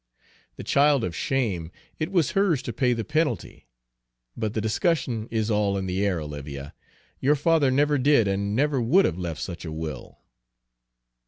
The child of shame, it was hers to pay the penalty. But the discussion is all in the air, Olivia. Your father never did and never would have left such a will."